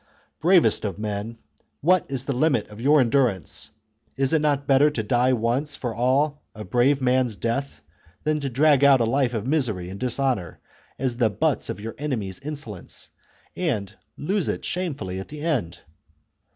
Bravest of men, what is the limit of your en durance ? Is it not better to die once for all a brave man's death than to drag out a life of misery and dis 1 8 THE CONSPIRACY OF CATILINE. CHAP honour, as the butts of your enemies' insolence, and lose it shamefully at the end